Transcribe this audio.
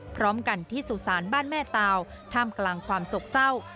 พร้อมกันที่สุสานบ้านแม่ตาวท่ามกลางความโศกเศร้า